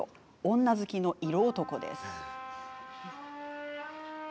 女好きの色男です。